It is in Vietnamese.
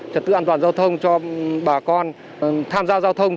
trật tự an toàn giao thông cho bà con tham gia giao thông